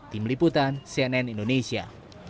tim liputan cnn indonesia